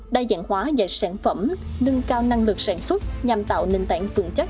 đa dạng hóa và sản phẩm nâng cao năng lực sản xuất nhằm tạo nền tảng vượng chắc